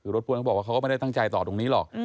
คือรถพ่วนเขาบอกว่าเขาก็ไม่ได้ตั้งใจต่อตรงนี้หรอก